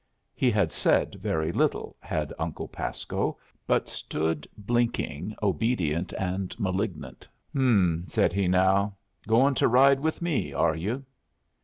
He had said very little, had Uncle Pasco, but stood blinking, obedient and malignant. "H'm," said he now, "goin' to ride with me, are you?"